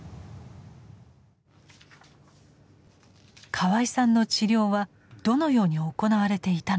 河合さんの治療はどのように行われていたのか。